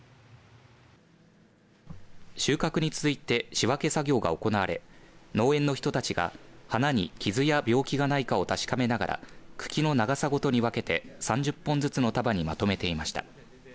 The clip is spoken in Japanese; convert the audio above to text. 収穫に続いて仕分け作業が行われ農園の人たちが花に傷や病気がないかを確かめながら茎の長さごとに分けて３０本ずつの束にまとめていました。